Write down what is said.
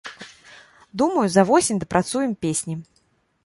Думаю, за восень дапрацуем песні.